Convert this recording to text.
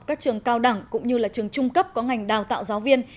các trường cao đẳng cũng như là trường trung cấp có ngành đào tạo giáo viên